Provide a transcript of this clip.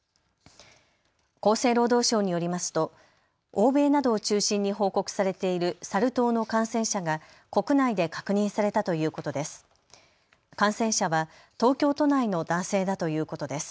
厚生労働省によりますと欧米などを中心に報告されているサル痘の感染者が国内で確認されたということです。